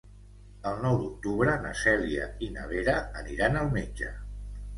El nou d'octubre na Cèlia i na Vera aniran al metge.